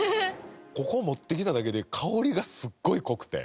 ここ持ってきただけで香りがすっごい濃くて。